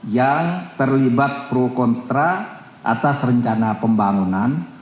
yang terlibat pro kontra atas rencana pembangunan